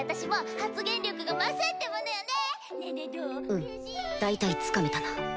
うん大体つかめたな